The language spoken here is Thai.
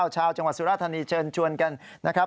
ชาวจังหวัดสุราธานีเชิญชวนกันนะครับ